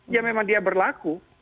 ya memang dia berlaku